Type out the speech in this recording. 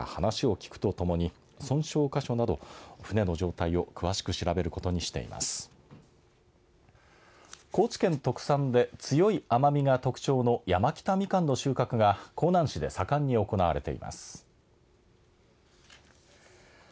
高知県特産で強い甘みが特徴の山北みかんの収穫が香南市で盛んに行われています。